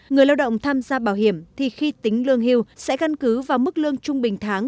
người lao động tham gia bảo hiểm thì khi tính lương hưu sẽ gắn cứ vào mức lương trung bình tháng